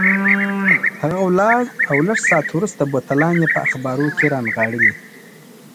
هغه ولاړ او لږ ساعت وروسته بوتلان یې په اخبارو کې رانغاړلي.